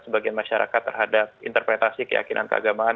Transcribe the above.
sebagian masyarakat terhadap interpretasi keyakinan keagamaan